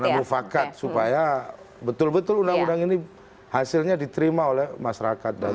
karena mufakat supaya betul betul undang undang ini hasilnya diterima oleh masyarakat dan